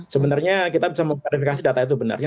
sebenarnya kita bisa mengklarifikasi data itu benarnya